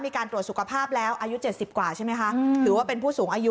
มีการตรวจสุขภาพแล้วอายุ๗๐กว่าใช่ไหมคะ